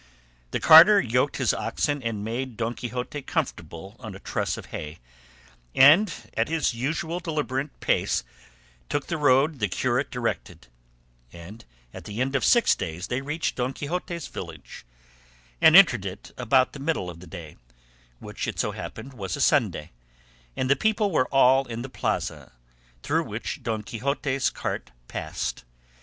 The carter yoked his oxen and made Don Quixote comfortable on a truss of hay, and at his usual deliberate pace took the road the curate directed, and at the end of six days they reached Don Quixote's village, and entered it about the middle of the day, which it so happened was a Sunday, and the people were all in the plaza, through which Don Quixote's cart passed.